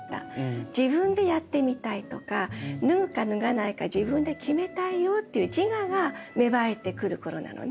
自分でやってみたいとか脱ぐか脱がないか自分で決めたいよっていう自我が芽生えてくる頃なのね。